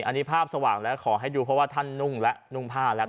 อันนี้ภาพสว่างแล้วขอให้ดูเพราะว่าท่านนุ่งและนุ่งผ้าแล้ว